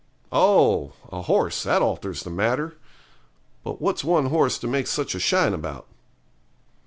'Oh! a horse; that alters the matter. But what's one horse to make such a shine about?'